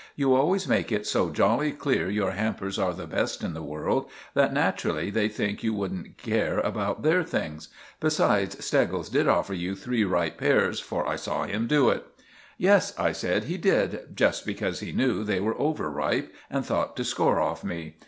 You always make it so jolly clear your hampers are the best in the world, that naturally they think you wouldn't care about their things. Besides, Steggles did offer you three ripe pears, for I saw him do it." "Yes," I said, "he did—just because he knew they were over ripe and thought to score off me.